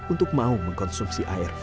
untuk mau mengkonsumsi arv